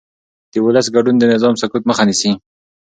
د ولس ګډون د نظام سقوط مخه نیسي